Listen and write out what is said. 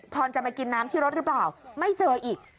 อนจะมากินน้ำที่รถหรือเปล่าไม่เจออีก